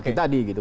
kita tadi gitu